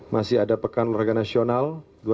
masih ada pekan warga nasional dua ribu dua puluh